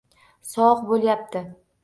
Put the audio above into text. Sovuq bo'layapti